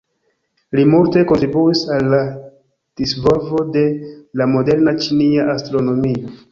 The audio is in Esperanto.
Li multe kontribuis al la disvolvo de la moderna ĉinia astronomio.